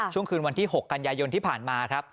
ช่วงคืนวันที่๖กันยายนที่ผ่านมา